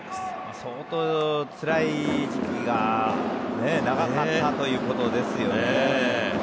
相当つらい時期が長かったということですよね。